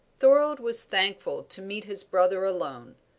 Thorold was thankful to meet his brother alone.